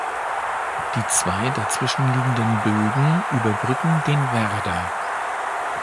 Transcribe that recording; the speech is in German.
Die zwei dazwischen liegenden Bögen überbrücken den Werder.